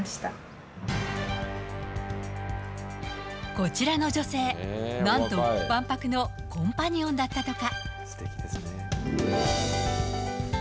こちらの女性、なんと万博のコンパニオンだったとか。